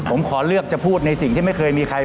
ผมขอเลือกจะพูดในสิ่งที่ไม่เคยมีใคร